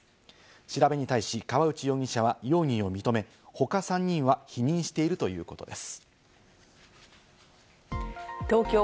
調べに対し、河内容疑者は容疑を認め、他３人は否認しているということです。